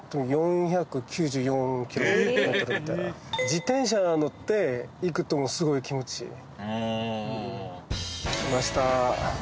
自転車乗って行くとすごい気持ちいい。